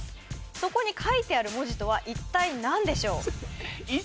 そこに書いてある文字とは一体何でしょう？